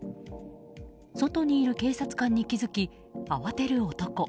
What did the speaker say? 外にいる警察官に気づき慌てる男。